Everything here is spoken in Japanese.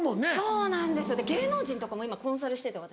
そうなんです芸能人とかも今コンサルしてて私。